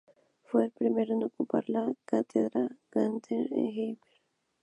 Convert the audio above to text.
Fue el primero en ocupar la cátedra Gadamer en Heidelberg.